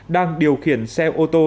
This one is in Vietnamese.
đang điều khiển xe ô tô